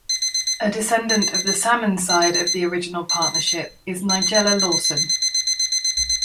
A descendant of the Salmon side of the original partnership is Nigella Lawson.